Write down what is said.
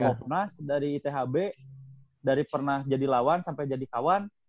dari bumo pernas dari ithb dari pernah jadi lawan sampai jadi kawan